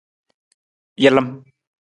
Jalam.